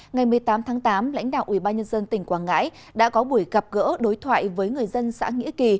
ngày một mươi tám tháng tám lãnh đạo ubnd tỉnh quảng ngãi đã có buổi gặp gỡ đối thoại với người dân xã nghĩa kỳ